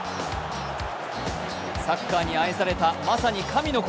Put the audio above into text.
サッカーに愛されたまさに神の子。